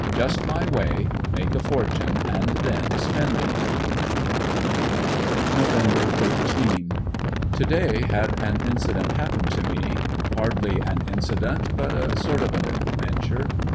Just my way — make a fortune and then spend it. Nov. 13. — To day had an incident happen to me; hardly an inci dent, but a sort of an adventure.